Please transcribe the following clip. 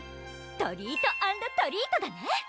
トリート＆トリートだね！